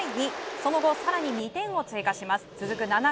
その後さらに２点を追加します。